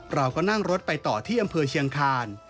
เราก็นั่งรถไปต่อที่อำเภอเชียงคาน